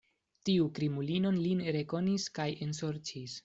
Tiu krimulino lin rekonis kaj ensorĉis.